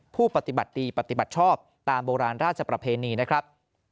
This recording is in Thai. ผู้ปฏิบัติดีปฏิบัติชอบตามโบราณราชประเพณีนะครับ